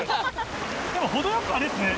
でも程よくあれですね